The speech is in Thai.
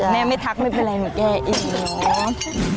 แม่ไม่ทักไม่เป็นไรมาแก้อีกแล้ว